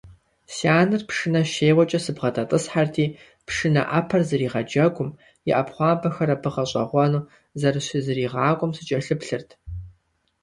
Си анэр пшынэ щеуэкӀэ сыбгъэдэтӀысхьэрти, пшынэ Ӏэпэр зэригъэджэгум, и Ӏэпхъуамбэхэр абы гъэщӀэгъуэну зэрыщызэригъакӀуэм сыкӀэлъыплъырт.